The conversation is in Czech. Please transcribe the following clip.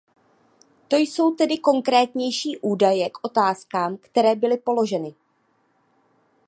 To jsou tedy konkrétnější údaje k otázkám, které byly položeny.